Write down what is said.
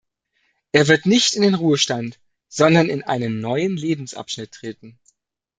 Er wird nicht in den Ruhestand, sondern in einen neuen Lebensabschnitt treten.